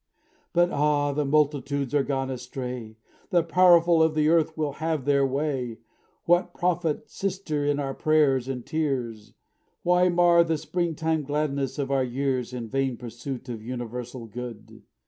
"But, ah! the multitudes are gone astray, The powerful of the earth will have their way; What profit, sister, in our prayers and tears? Why mar the spring time gladness of our years "In vain pursuit of universal good?